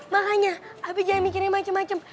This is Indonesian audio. makanya abah jangan mikirin macem macem